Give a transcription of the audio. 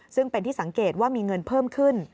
ซึ่งเป็นที่สังเกตว่ามีเงินเพิ่มขึ้น